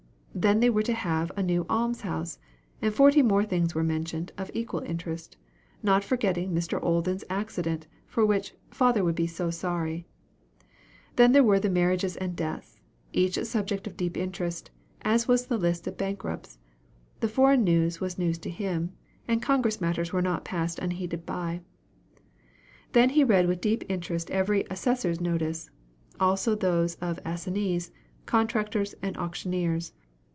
Then they were to have a new alms house; and forty more things were mentioned, of equal interest not forgetting Mr. Olden's accident, for which "father would be so sorry." Then there were the Marriages and Deaths each a subject of deep interest, as was also the list of Bankrupts. The foreign news was news to him; and Congress matters were not passed unheeded by. Then he read with deep interest every "Assessor's Notice," also those of "Assignees," "Contractors," and "Auctioneers."